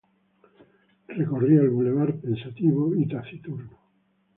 Recorría el bulevar pensativo y taciturno